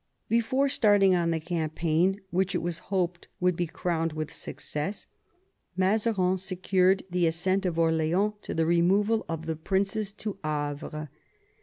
Before starting on the campaign, which it was hoped would be crowned with success, Mazarin secured the assent of Orleans to the removal of the princes to Havre.